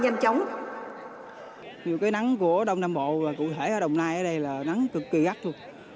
nhiều cái nắng của đông nam bộ và cụ thể ở đồng nai ở đây là nắng cực kỳ gắt luôn